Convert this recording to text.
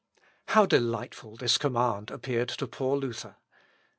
" How delightful this command appeared to poor Luther!